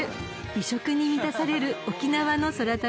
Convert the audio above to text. ［美食に満たされる沖縄の空旅です］